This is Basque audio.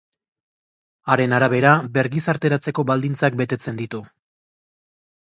Haren arabera, bergizarteratzeko baldintzak betetzen ditu.